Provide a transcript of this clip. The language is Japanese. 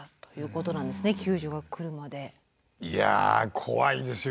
いや怖いですよ。